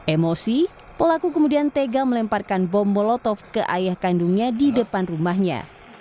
emosi pelaku kemudian tega melemparkan bom molotov ke ayah kandungnya di depan rumahnya